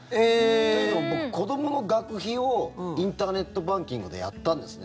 というのも僕、子どもの学費をインターネットバンキングでやったんですね。